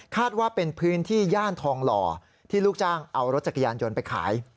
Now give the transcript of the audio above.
ว่าเป็นพื้นที่ย่านทองหล่อที่ลูกจ้างเอารถจักรยานยนต์ไปขาย